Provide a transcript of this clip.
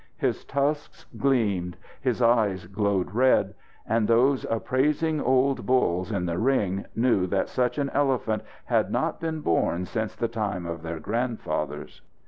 His tusks gleamed. His eyes glowed red. And those appraising old bulls in the ring knew that such an elephant had not been born since the time of their grandfathers.